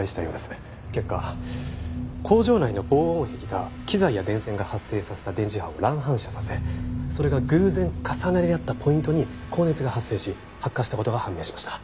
結果工場内の防音壁が機材や電線が発生させた電磁波を乱反射させそれが偶然重なり合ったポイントに高熱が発生し発火した事が判明しました。